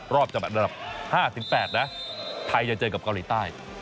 รอบจำเป็นอันดับ๕๘นะไทยจะเจอกับเกาหลีใต้